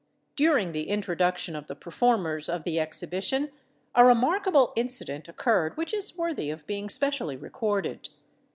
During the introduction of the performers of the exhibition a remarkable incident occurred which is worthy of being specially recorded.